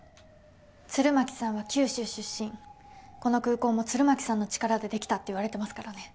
鶴巻さんは九州出身この空港も鶴巻さんの力で出来たっていわれてますからね。